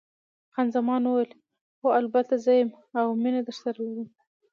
خان زمان وویل: هو، البته زه یم، اوه، مینه درسره لرم.